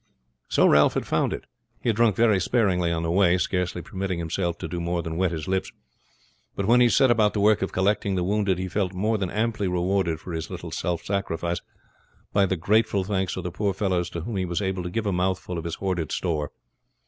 So Ralph had found it. He had drunk very sparingly on the way, scarcely permitting himself to do more than to wet his lips; but when he set about the work of collecting the wounded, he felt more than amply rewarded for his little self sacrifice by the grateful thanks of the poor fellows to whom he was able to give a mouthful of his hoarded store.